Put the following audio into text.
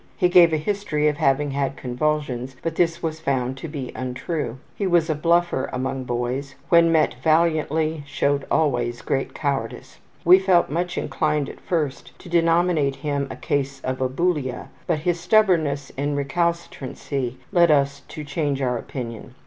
He gave a history of having had convulsions, but this was found to be untrue. He was a ``bluffer'' among boys; when met valiantly showed always great cowardice. We felt much inclined at first to denominate him a case of abulia, but his stubbornness in recalcitrancy led us to change our opinion.